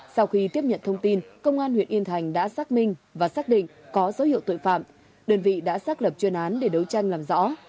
sau khi tiếp nhận thông tin công an huyện yên thành đã xác minh và xác định có dấu hiệu tội phạm đơn vị đã xác lập chuyên án để đấu tranh làm rõ